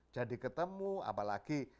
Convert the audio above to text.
jadi ketemu apalagi